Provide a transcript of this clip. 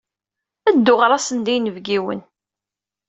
Ddu, ɣer-asen-d i yinebgiwen!